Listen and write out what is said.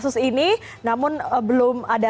untuk memberikan klarifikasi bengen lainnya ya